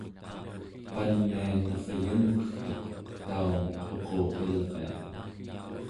pania neryunqegtuq, taumek uqurilria